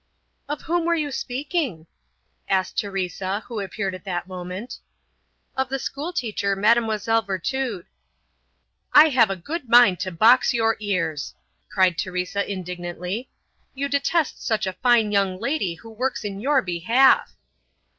"Of whom were you speaking?" asked Teresa, who appeared at that moment. "Of the school teacher, Mlle. Virtud." "I have a good mind to box your ears," cried Teresa indignantly. "You detest such a fine young lady who works in your behalf."